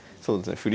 そうですね